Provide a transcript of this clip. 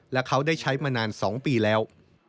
และเขาได้ใช้มานาน๒ปีแล้ว